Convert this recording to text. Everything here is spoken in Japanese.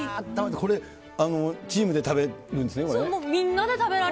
これ、チームで食べるんですね、これ。